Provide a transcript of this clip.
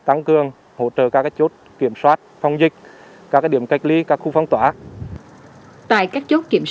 các trường hợp vi phạm trong phòng chống dịch